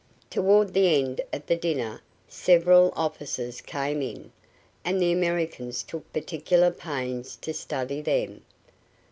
Toward the end of the dinner several officers came in, and the Americans took particular pains to study them.